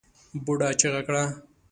بوډا چيغه کړه!